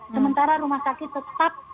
sementara rumah sakit tetap